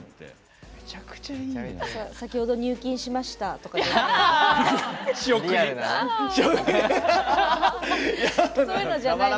「先ほど、入金しました」とかじゃなくて。